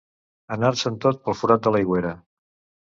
Anar-se'n tot pel forat de l'aigüera.